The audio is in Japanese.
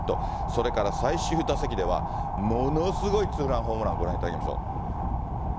それから最終打席では、ものすごいツーランホームラン、ご覧いただきましょう。